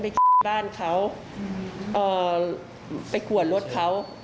สวัสดีคุณผู้ชายสวัสดีคุณผู้ชาย